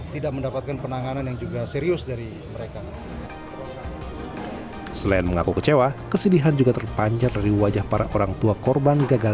tidak ada yang bersalah bahkan mengucapkan simpati berduka dan empati itu tidak